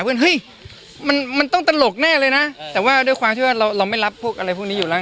เรารักหลานเรารักครอบครัวเรามีภาระ